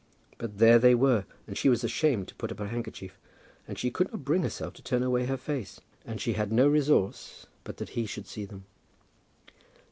But there they were, and she was ashamed to put up her handkerchief, and she could not bring herself to turn away her face, and she had no resource but that he should see them.